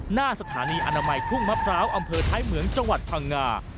หน้าสถานีอนามัยทุ่งมะพร้าวอำเภอท้ายเหมืองจังหวัดพังงา